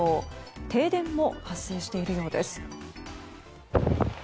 停電も発生しているようです。